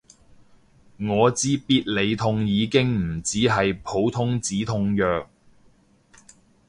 我知必理痛已經唔止係普通止痛藥